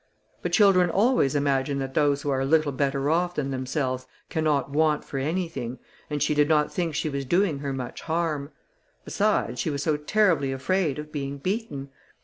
But children always imagine that those who are a little better off than themselves, cannot want for anything, and she did not think she was doing her much harm; besides, she was so terribly afraid of being beaten.